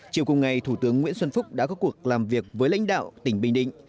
chiều cùng ngày thủ tướng nguyễn xuân phúc đã có cuộc làm việc với lãnh đạo tỉnh bình định